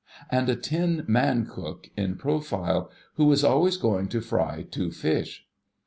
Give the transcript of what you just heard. — and a tin man cook in profile, who was always going to fry two fish.